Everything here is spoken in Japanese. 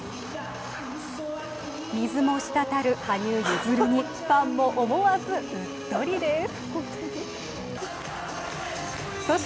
水も滴る羽生結弦にファンも思わずうっとりです。